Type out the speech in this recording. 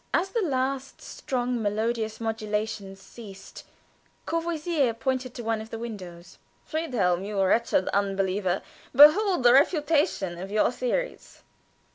As the last strong, melodious modulations ceased, Courvoisier pointed to one of the windows. "Friedhelm, you wretched unbeliever, behold the refutation of your theories.